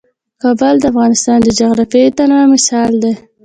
کابل د افغانستان د جغرافیوي تنوع مثال دی.